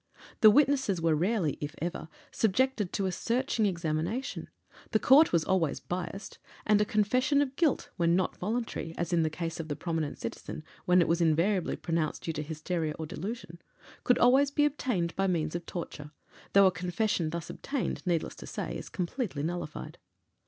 The witnesses were rarely, if ever, subjected to a searching examination; the court was always biased, and a confession of guilt, when not voluntary as in the case of the prominent citizen, when it was invariably pronounced due to hysteria or delusion could always be obtained by means of torture, though a confession thus obtained, needless to say, is completely nullified.